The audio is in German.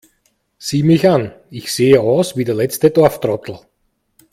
Sieh mich an, ich sehe aus wie der letzte Dorftrottel!